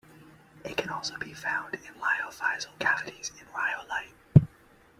It can also be found in lithophysal cavities in rhyolite.